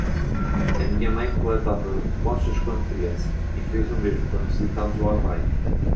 Minha mãe coletava conchas quando criança, e fez o mesmo quando visitamos o Havaí.